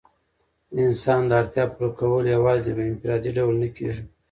د انسان د اړتیا پوره کول یوازي په انفرادي ډول نه کيږي.